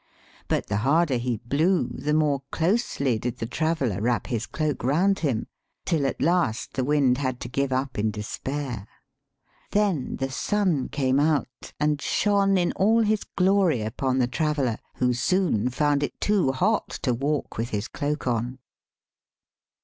But the harder he blew the more closely did the traveller wrap his cloak round him, till at last the wind had to give up in despair. Then the sun came out and shone in all his glory upon the traveller, who soon found it too hot to walk with his cloak on.